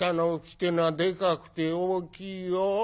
ってえのはでかくて大きいよ。